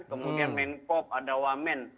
kemudian men kop ada wamen